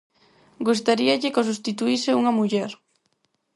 Gustaríalle que o substituíse unha muller.